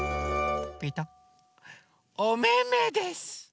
おめめです！